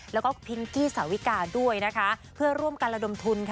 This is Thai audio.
แล้วก็พิงกี้สาวิกาด้วยนะคะเพื่อร่วมกันระดมทุนค่ะ